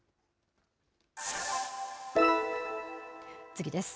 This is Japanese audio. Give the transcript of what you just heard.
次です。